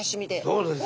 そうです。